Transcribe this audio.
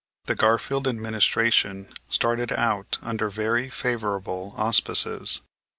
The Garfield administration started out under very favorable auspices.